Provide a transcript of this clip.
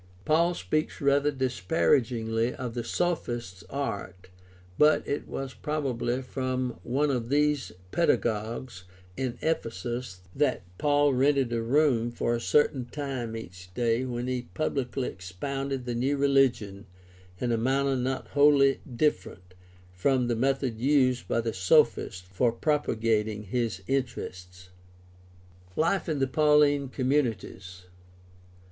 Paul speaks rather disparagingly of the sophist's art (I Cor, 1:20), but it was probably from one of these pedagogues in Ephesus that 286 GUIDE TO STUDY OF CHRISTIAN RELIGION Paul rented a room for a certain time each day when he pubKcly expounded the new rehgion in a manner not wholly different from the method used by the sophist for propagating his interests (Acts 19:9). ' Life in the Pauline communities.